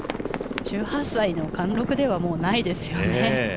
１８歳の貫禄ではもうないですよね。